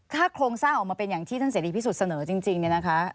ถ้าโครงสร้างออกมาเป็นอย่างที่ท่านเสรีพิสุทธิ์เสนอจริงเนี่ยนะคะ